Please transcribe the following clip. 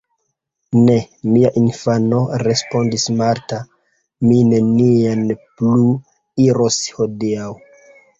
Ne, mia infano, respondis Marta, mi nenien plu iros hodiaŭ.